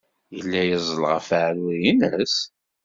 Yella yeẓẓel ɣef weɛrur-nnes?